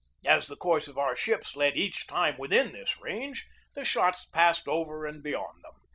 As the course of our ships led each time within this range, the shots passed over and beyond them.